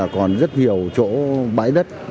còn rất nhiều chỗ bãi đất